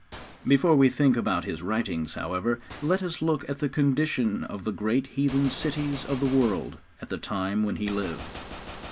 Before we think about his writings, however, let us look at the condition of the great heathen cities of the world at the time when he lived.